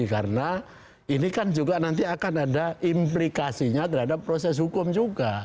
karena ini kan juga nanti akan ada implikasinya terhadap proses hukum juga